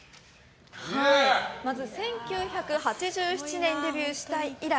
まず１９８７年にデビューして以来